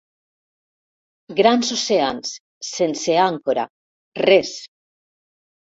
Grans oceans, sense àncora: res.